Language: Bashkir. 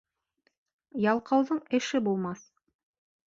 Ялҡауҙың эше булмаҫ.